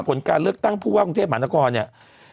ผลการเลือกตั้งผู้ว่ากรุงเทพมหานครเนี่ย